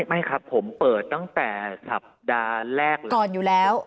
ไม่ครับผมเปิดตั้งแต่สัปดาห์แรกเลยก่อนอยู่แล้ว